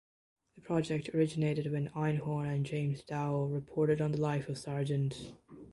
The project originated when Einhorn and James Dao reported on the life of Sgt.